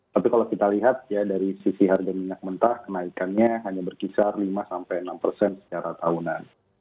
tapi kalau kita lihat ya dari sisi harga minyak mentah kenaikannya hanya berkisar lima sampai enam persen secara tahunan